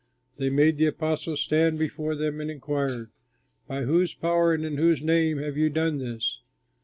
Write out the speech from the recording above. They made the apostles stand before them and inquired, "By whose power and in whose name have you done this?"